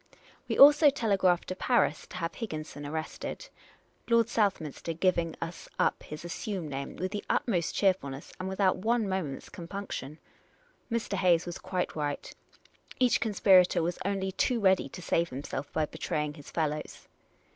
We also telegraphed to Paris to have Higginson arrested, Lord vSouthminster giving us up his assumed name with the utmost cheerfulness, and without one moment's compunction. Mr. Hayes was quite right : each conspirator was only too ready to save himself by betraying his fellows.